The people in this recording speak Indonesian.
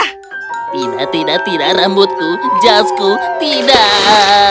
tidak tidak tidak rambutku jasku tidak